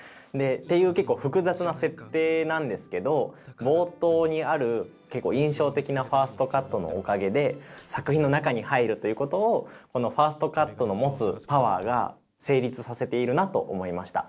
っていう結構複雑な設定なんですけど冒頭にある結構印象的なファーストカットのおかげで作品の中に入るということをこのファーストカットの持つパワーが成立させているなと思いました。